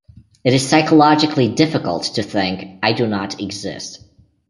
It is psychologically difficult to think "I do not exist".